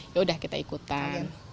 yaudah kita ikutan